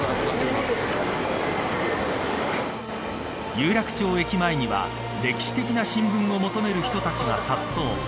有楽町駅前には歴史的な新聞を求める人が殺到。